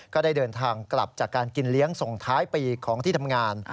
ก็ได้เดินทางกลับจากการกินเลี้ยงส่งท้ายปีของที่ทำงาน